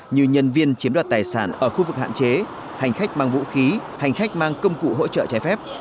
như nhân viên chiếm đoạt tài sản ở khu vực hạn chế hành khách bằng vũ khí hành khách mang công cụ hỗ trợ trái phép